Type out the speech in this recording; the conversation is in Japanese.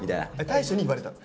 大昇に言われたの？